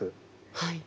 はい。